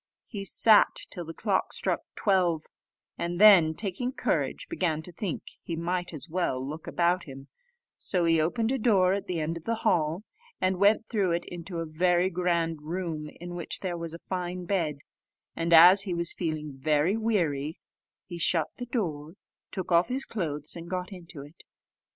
He sat till the clock struck twelve, and then, taking courage, began to think he might as well look about him: so he opened a door at the end of the hall, and went through it into a very grand room, in which there was a fine bed; and as he was feeling very weary, he shut the door, took off his clothes, and got into it.